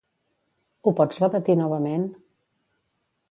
Ho pots repetir novament?